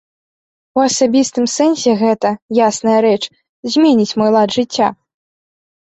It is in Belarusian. У асабістым сэнсе гэта, ясная рэч, зменіць мой лад жыцця.